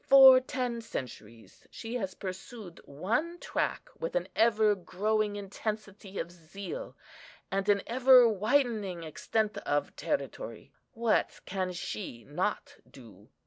For ten centuries she has pursued one track with an ever growing intensity of zeal, and an ever widening extent of territory. What can she not do?